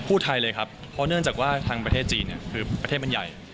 ไทยเลยครับเพราะเนื่องจากว่าทางประเทศจีนคือประเทศมันใหญ่